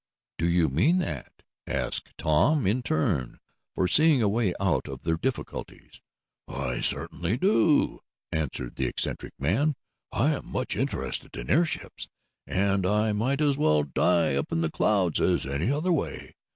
"Do you mean that?" asked Tom in turn, foreseeing a way out of their difficulties. "I certainly do," answered the eccentric man. "I am much interested in airships, and I might as well die up in the clouds as any other way.